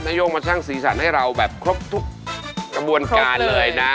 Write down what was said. โย่งมาสร้างสีสันให้เราแบบครบทุกกระบวนการเลยนะ